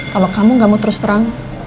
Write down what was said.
kalau kamu gak mau terus terang